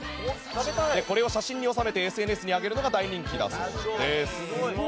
これを写真に収めてＳＮＳに上げるのが大人気だそうです。